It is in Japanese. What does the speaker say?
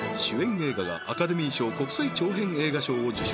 映画がアカデミー賞国際長編映画賞を受賞